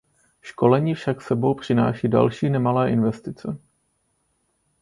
Školení však s sebou přináší další nemalé investice.